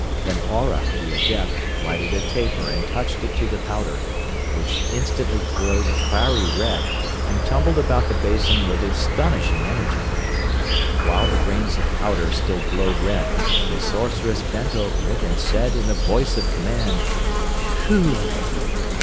Then Aurah the Adept lighted a taper and touched it to the powder, which instantly glowed fiery red and tumbled about the basin with astonishing energy. While the grains of powder still glowed red the Sorceress bent over it and said in a voice of command: "Coo!"